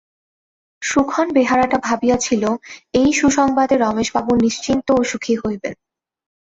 সুখন-বেহারাটা ভাবিয়াছিল, এই সুসংবাদে রমেশবাবু নিশ্চিন্ত ও সুখী হইবেন।